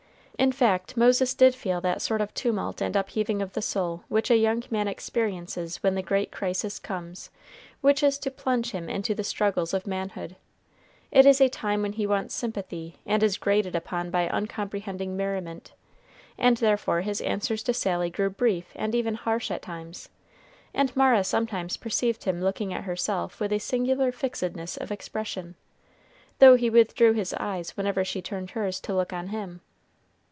In fact, Moses did feel that sort of tumult and upheaving of the soul which a young man experiences when the great crisis comes which is to plunge him into the struggles of manhood. It is a time when he wants sympathy and is grated upon by uncomprehending merriment, and therefore his answers to Sally grew brief and even harsh at times, and Mara sometimes perceived him looking at herself with a singular fixedness of expression, though he withdrew his eyes whenever she turned hers to look on him.